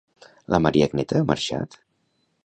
La Mariagneta ha marxat?